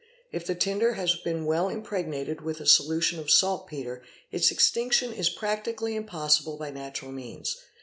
If the tinder has been well impregnated with a solution of saltpetre, its extinction is practically impossible by natural means.